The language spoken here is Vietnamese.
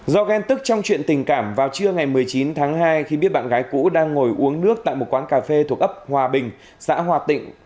do ghen tức trong chuyện tình cảm vào trưa ngày một mươi chín tháng hai khi biết bạn gái cũ đang ngồi uống nước tại một quán cà phê thuộc ấp hòa bình xã hòa tịnh